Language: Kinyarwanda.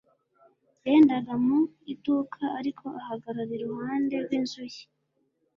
Yagendaga mu iduka ariko ahagarara iruhande rwinzu ye